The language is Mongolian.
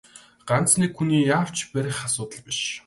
Ганц нэг хүний яавч барах асуудал биш.